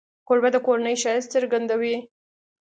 کوربه د کورنۍ ښایست څرګندوي.